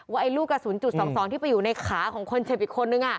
ไอ้ลูกกระสุนจุด๒๒ที่ไปอยู่ในขาของคนเจ็บอีกคนนึง